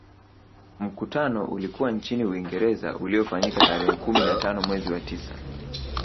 Mkutano ulikuwa nchini Uingereza uliofanyika tarehe kumi na tano mwezi wa tisa